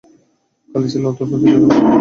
খালিদ ছিলেন অত্যন্ত দৃঢ় ব্যক্তিত্ব সম্পন্ন লোক।